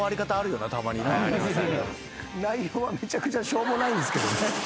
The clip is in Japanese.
内容はめちゃくちゃしょうもないんですけどね。